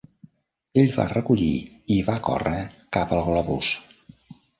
El va recollir i va córrer cap al globus.